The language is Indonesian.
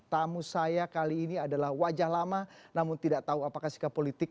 tamu saya kali ini adalah wajah lama namun tidak tahu apakah sikap politik